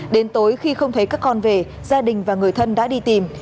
đến tối khi không thấy các con về gia đình và người thân đã đi tìm